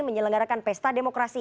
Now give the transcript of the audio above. menyelenggarakan pesta demokrasi